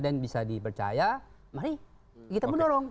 dan bisa dipercaya mari kita mendorong